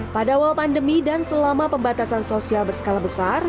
pada awal pandemi dan selama pembatasan sosial berskala besar